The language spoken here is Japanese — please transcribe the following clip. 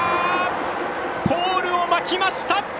ポールを巻きました。